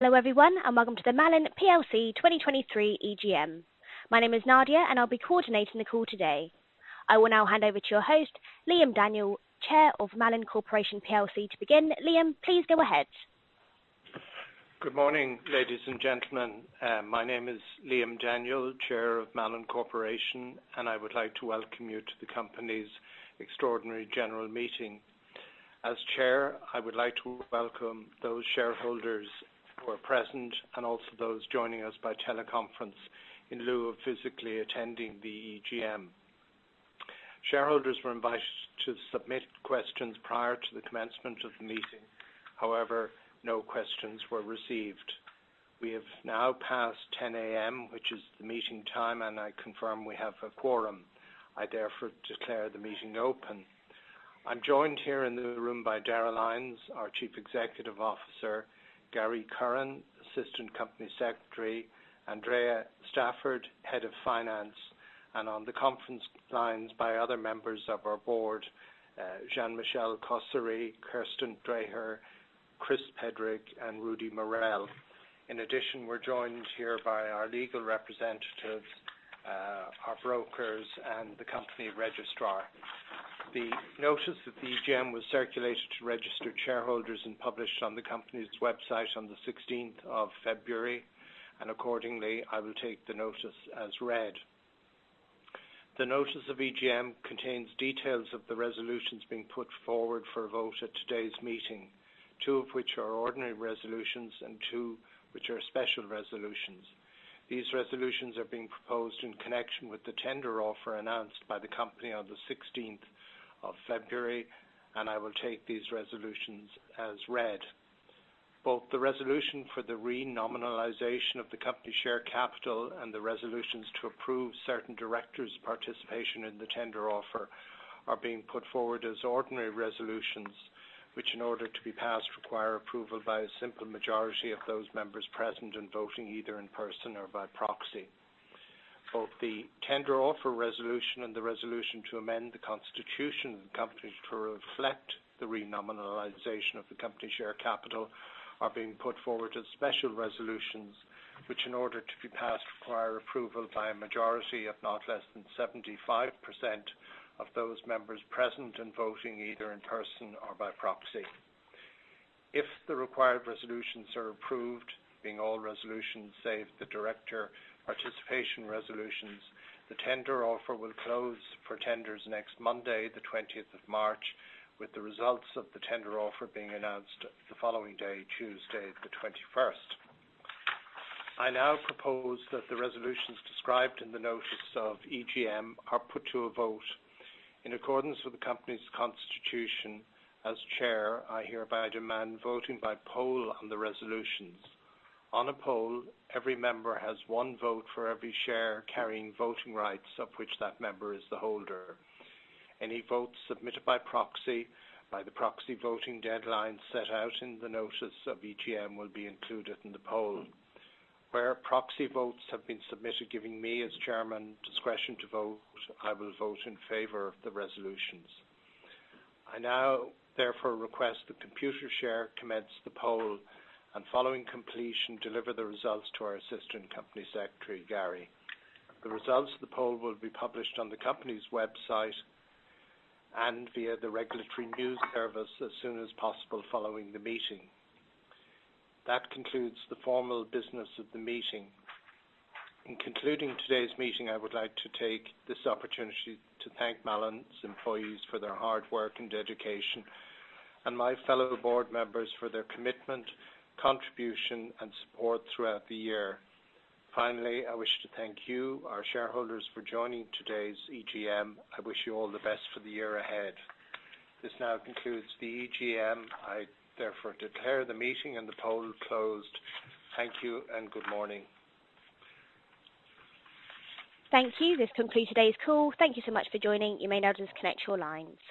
Hello, everyone, and welcome to the Malin PLC 2023 EGM. My name is Nadia, and I'll be coordinating the call today. I will now hand over to your host, Liam Daniel, Chair of Malin Corporation PLC to begin. Liam, please go ahead. Good morning, ladies and gentlemen. My name is Liam Daniel, Chair of Malin Corporation, and I would like to welcome you to the company's extraordinary general meeting. As chair, I would like to welcome those shareholders who are present and also those joining us by teleconference in lieu of physically attending the EGM. Shareholders were invited to submit questions prior to the commencement of the meeting. However, no questions were received. We have now passed 10:00 A.M., which is the meeting time, and I confirm we have a quorum. I therefore declare the meeting open. I'm joined here in the room by Darragh Lyons, our Chief Executive Officer, Gary Curran, Assistant Company Secretary, Andrea Stafford, Head of Finance, and on the conference lines by other members of our board, Jean-Michel Cosséry, Kirsten Drejer, Chris Pedrick, and Rudy Mareel. We're joined here by our legal representatives, our brokers and the company registrar. The notice that the EGM was circulated to registered shareholders and published on the company's website on the 16th of February, I will take the notice as read. The notice of EGM contains details of the resolutions being put forward for a vote at today's meeting, two of which are ordinary resolutions and two which are special resolutions. These resolutions are being proposed in connection with the tender offer announced by the company on the 16th of February, I will take these resolutions as read. Both the resolution for the Renominalisation of the company share capital and the resolutions to approve certain directors' participation in the tender offer are being put forward as ordinary resolutions, which in order to be passed, require approval by a simple majority of those members present and voting either in person or by proxy. Both the tender offer resolution and the resolution to amend the Constitution of the company to reflect the Renominalisation of the company share capital are being put forward as special resolutions, which in order to be passed, require approval by a majority of not less than 75% of those members present and voting either in person or by proxy. If the required resolutions are approved, being all resolutions save the director participation resolutions, the tender offer will close for tenders next Monday, the 20th of March, with the results of the tender offer being announced the following day, Tuesday the 21st. I now propose that the resolutions described in the notice of EGM are put to a vote. In accordance with the company's constitution, as chair, I hereby demand voting by poll on the resolutions. On a poll, every member has one vote for every share carrying voting rights of which that member is the holder. Any votes submitted by proxy, by the proxy voting deadline set out in the notice of EGM will be included in the poll. Where proxy votes have been submitted, giving me, as chairman, discretion to vote, I will vote in favor of the resolutions. I now therefore request that Computershare commence the poll and, following completion, deliver the results to our Assistant Company Secretary, Gary. The results of the poll will be published on the company's website and via the Regulatory News Service as soon as possible following the meeting. That concludes the formal business of the meeting. In concluding today's meeting, I would like to take this opportunity to thank Malin's employees for their hard work and dedication and my fellow board members for their commitment, contribution, and support throughout the year. Finally, I wish to thank you, our shareholders, for joining today's EGM. I wish you all the best for the year ahead. This now concludes the EGM. I therefore declare the meeting and the poll closed. Thank you and good morning. Thank you. This concludes today's call. Thank you so much for joining. You may now disconnect your lines.